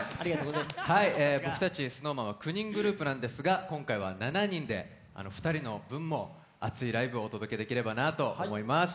僕たちＳｎｏｗＭａｎは９人グループなんですが今回は７人で、２人の分もアツいライブをお届けできればと思います。